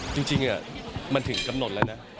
จริงมันถึงกำหนดแล้วนะ